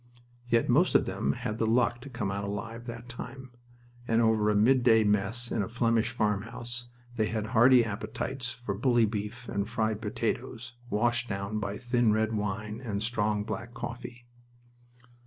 Yet most of them had the luck to come out alive that time, and over a midday mess in a Flemish farmhouse they had hearty appetites for bully beef and fried potatoes, washed down by thin red wine and strong black coffee.